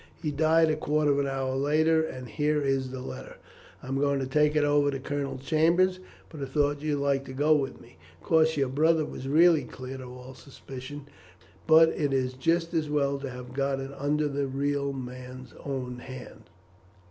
"He died a quarter of an hour later, and here is the letter. I am going to take it over to Colonel Chambers, but I thought you would like to go with me. Of course, your brother was really cleared of all suspicion, but it is just as well to have got it under the real man's own hand."